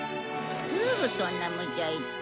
すーぐそんなむちゃ言って。